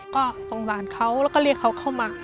ก็สงสารเขาแล้วก็เรียกเขาเข้ามา